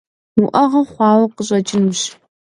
УӀэгъэ хъуауэ къыщӀэкӀынущ.